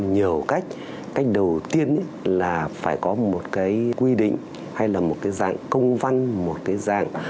nhiều cách cách đầu tiên là phải có một cái quy định hay là một cái dạng công văn một cái dạng